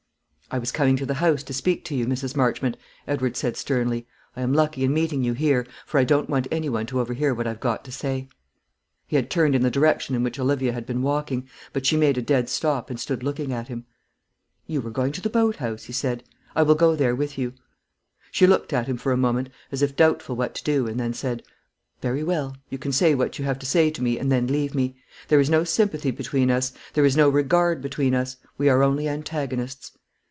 "I was coming to the house to speak to you, Mrs. Marchmont," Edward said sternly. "I am lucky in meeting you here, for I don't want any one to overhear what I've got to say." He had turned in the direction in which Olivia had been walking; but she made a dead stop, and stood looking at him. "You were going to the boat house," he said. "I will go there with you." She looked at him for a moment, as if doubtful what to do, and then said, "Very well. You can say what you have to say to me, and then leave me. There is no sympathy between us, there is no regard between us; we are only antagonists."